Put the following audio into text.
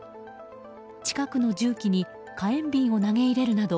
近くの重機に火炎瓶を投げ入れるなど